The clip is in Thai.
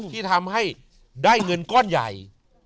ที่ทำให้ได้เงินก้อนใหญ่